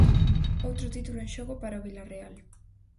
Outro título en xogo para o Vilarreal.